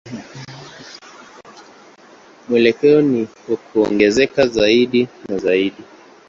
Mwelekeo ni wa kuongezeka zaidi na zaidi.